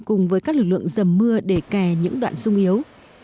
cùng với các lực lượng dầm mưa để kè những đoạn sung yếu